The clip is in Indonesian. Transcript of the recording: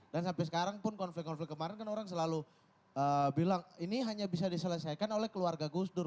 dan sampe sekarang pun konflik konflik kemarin kan orang selalu bilang ini hanya bisa diselesaikan oleh keluarga gus dur